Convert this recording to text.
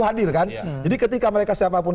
hadir kan jadi ketika mereka siapapun